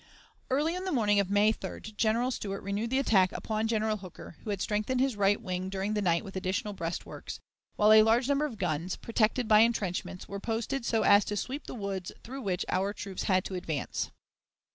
Early on the morning of May 3d General Stuart renewed the attack upon General Hooker, who had strengthened his right wing during the night with additional breastworks, while a large number of guns, protected by intrenchments, were posted so as to sweep the woods through which our troops had to advance.